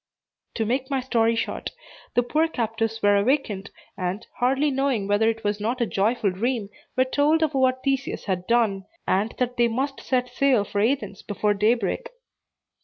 To make my story short, the poor captives were awakened, and, hardly knowing whether it was not a joyful dream, were told of what Theseus had done, and that they must set sail for Athens before daybreak.